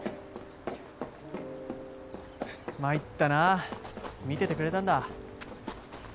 まいったなぁ見ててくれたんだ？